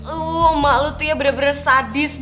emak lo tuh ya bener bener sadis